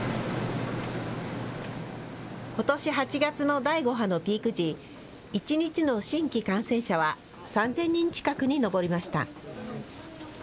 ことし８月の第５波のピーク時、１日の新規感染者は３０００人近くに上りました。